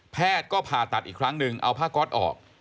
แพทย์ก็ผ่าตัดอีกครั้งหนึ่งเอาผ้าก๊อตออก